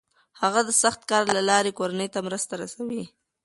هغه د سخت کار له لارې کورنۍ ته مرسته رسوي.